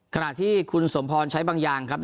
ขณะที่คุณสมพรใช้บางอย่างครับ